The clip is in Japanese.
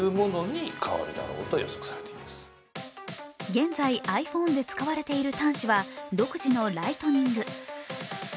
現在、ｉＰｈｏｎｅで使われている端子は独自のライトニング。